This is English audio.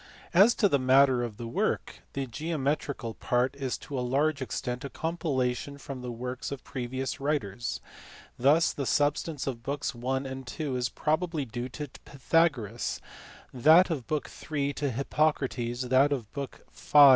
As to the matter of the work. The geometrical part is to a large extent a compilation from the works of previous writers. Thus the substance of books I. and n. is probably due to Pythagoras; that of book in. to Hippocrates; that of book v.